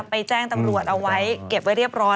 แจ้งตำรวจเอาไว้เก็บไว้เรียบร้อย